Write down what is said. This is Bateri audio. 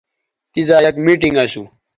تیزا یک میٹنگ اسو